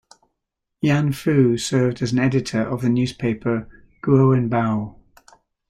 Yan Fu served as an editor of the newspaper "Guowen Bao".